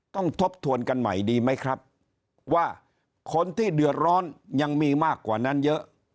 ทบทวนกันใหม่ดีไหมครับว่าคนที่เดือดร้อนยังมีมากกว่านั้นเยอะ